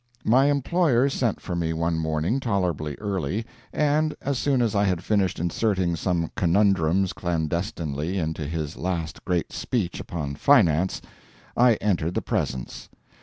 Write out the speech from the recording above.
My employer sent for me one morning tolerably early, and, as soon as I had finished inserting some conundrums clandestinely into his last great speech upon finance, I entered the presence.